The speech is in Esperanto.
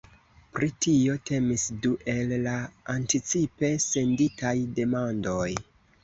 Pri tio temis du el la anticipe senditaj demandoj.